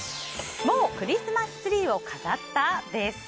もうクリスマスツリーを飾った？です。